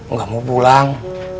nggak mau pulang